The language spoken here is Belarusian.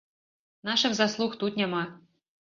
Нашых заслуг тут няма.